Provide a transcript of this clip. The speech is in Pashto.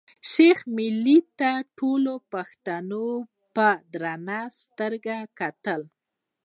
شېخ ملي ته ټولو پښتنو په درنه سترګه کتل.